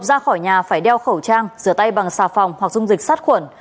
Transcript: ra khỏi nhà phải đeo khẩu trang rửa tay bằng xà phòng hoặc dung dịch sát khuẩn